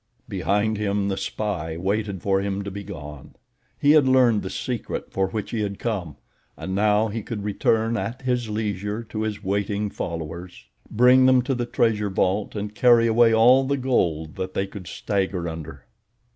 Behind him the spy waited for him to be gone. He had learned the secret for which he had come, and now he could return at his leisure to his waiting followers, bring them to the treasure vault and carry away all the gold that they could stagger under.